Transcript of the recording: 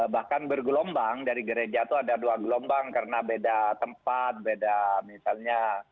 bahkan bergelombang dari gereja itu ada dua gelombang karena beda tempat beda misalnya